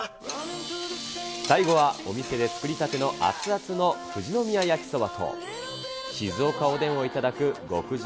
最後は、お店で作りたての熱々の富士宮やきそばと、静岡おでんを頂く極上